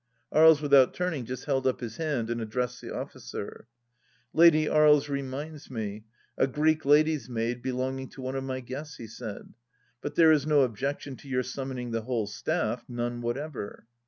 Aries, without turning, just held up his hand, and ad dressed the officer, " Lady Aries reminds me — a Greek lady's maid belonging to one of my guests," he said. " But there is no objection to your summoning the whole staff; none whatever."